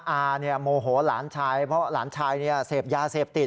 อาโมโหหลานชายเพราะหลานชายเสพยาเสพติด